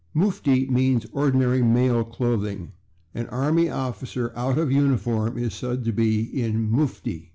/Mufti/ means ordinary male clothing; an army officer out of uniform is said to be in /mufti